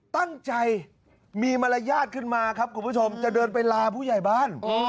ตั้งใจมีมารยาทขึ้นมาครับคุณผู้ชมจะเดินไปลาผู้ใหญ่บ้าน